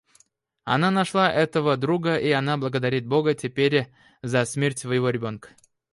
Она нашла этого друга, и она благодарит Бога теперь за смерть своего ребенка.